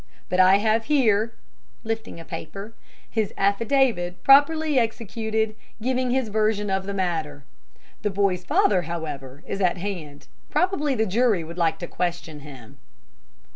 But I have here," lifting a paper, "his affidavit, properly executed, giving his version of the matter. The boy's father, however, is at hand. Probably the jury would like to question him."